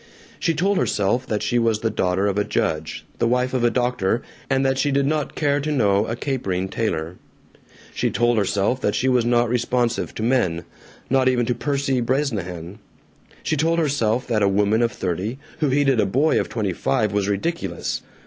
She told herself that she was the daughter of a judge, the wife of a doctor, and that she did not care to know a capering tailor. She told herself that she was not responsive to men ... not even to Percy Bresnahan. She told herself that a woman of thirty who heeded a boy of twenty five was ridiculous.